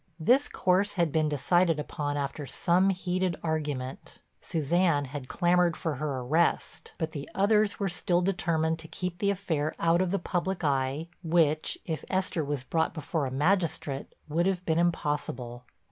This course had been decided upon after some heated argument. Suzanne had clamored for her arrest, but the others were still determined to keep the affair out of the public eye, which, if Esther was brought before a magistrate, would have been impossible.